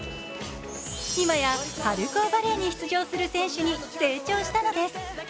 今や春高バレーに出場する選手に成長したのです。